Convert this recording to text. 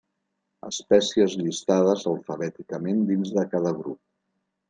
Espècies llistades alfabèticament dins de cada grup.